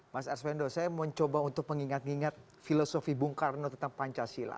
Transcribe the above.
mas arswendo saya mau coba untuk mengingat ingat filosofi bung karno tentang pancasila